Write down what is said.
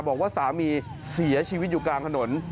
บอกว่าสามีเสียชีวิตอยู่กลางถนน